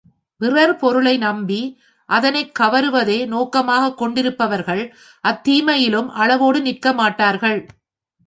பிறர் பொருளை நம்பி அதனைக் கவருவதே நோக்கமாகக் கொண்டிருப்பவர்கள், அத் தீமையிலும் அளவோடு நிற்கமாட்டார்கள்.